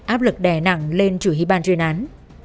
áp lực đè nặng lên chủ hy ban chuyên án